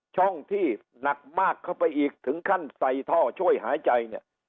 ช่องที่หนักมากเข้าไปอีกถึงขั้นใส่ท่อช่วยหายใจเนี่ย